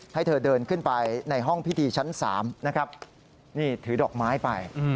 ให้เธอเดินขึ้นไปในห้องพิธีชั้น๓นะครับนี่ถือดอกไม้ไป